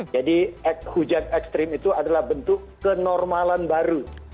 jadi hujan ekstrim itu adalah bentuk kenormalan baru